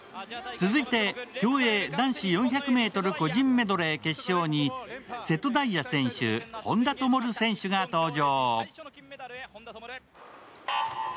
続いて競泳、男子４００ｍ個人メドレー決勝に瀬戸大也選手、本多灯選手が登場。